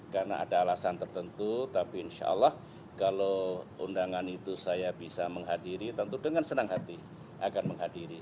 karena ada alasan tertentu tapi insya allah kalau undangan itu saya bisa menghadiri tentu dengan senang hati akan menghadiri